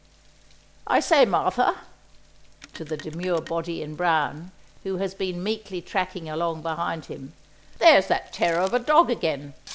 "I say, Martha!" (to the demure body in brown, who has been meekly tracking along behind him), "there's that terror of a dog again!